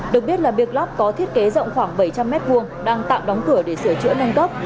được biết là biệt lắp có thiết kế rộng khoảng bảy trăm linh m hai đang tạm đóng cửa để sửa chữa nâng cấp